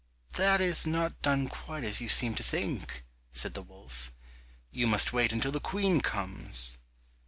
"That is not done quite as you seem to think," said the wolf; "you must wait until the Queen comes."